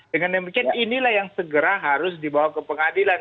dengan demikian inilah yang segera harus dibawa ke pengadilan